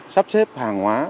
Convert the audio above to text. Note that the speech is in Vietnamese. sắp xếp hàng hóa